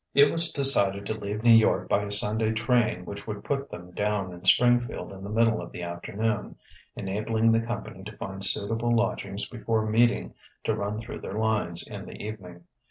It was decided to leave New York by a Sunday train which would put them down in Springfield in the middle of the afternoon, enabling the company to find suitable lodgings before meeting to run through their lines in the evening.